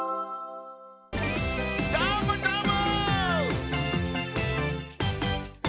どーもどーも！